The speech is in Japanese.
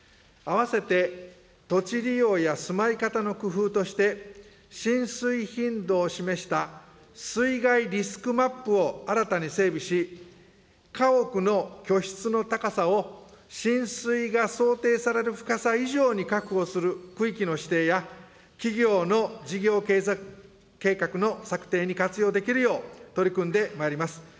併せて土地利用や住まい方の工夫として、浸水頻度を示した水害リスクマップを新たに整備し、家屋の居室の高さを浸水が想定される深さ以上に確保する区域の指定や、企業の事業計画の策定に活用できるよう、取り組んでまいります。